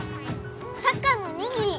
サッカーのおにぎり。